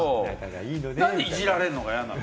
なんでいじられるのが嫌なの？